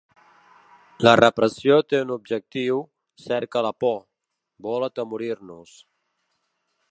La repressió té un objectiu, cerca la por, vol atemorir-nos.